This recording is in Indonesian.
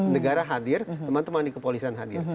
negara hadir teman teman di kepolisian hadir